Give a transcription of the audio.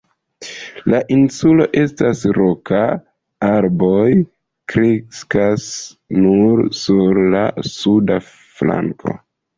La insulo estas roka, arboj kreskas nur sur la suda flanko.